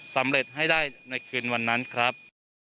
สำเร็จให้ได้ในคืนวันนั้นครับ